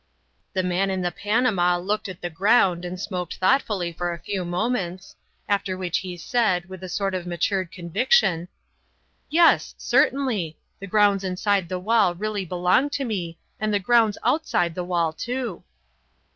The man in the panama looked at the ground and smoked thoughtfully for a few moments, after which he said, with a sort of matured conviction: "Yes, certainly; the grounds inside the wall really belong to me, and the grounds outside the wall, too."